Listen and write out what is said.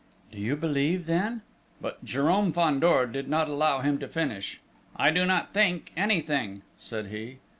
"Do you believe then?..." But Jérôme Fandor did not allow him to finish. "I do not think anything," said he.